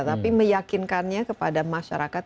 tapi meyakinkannya kepada masyarakat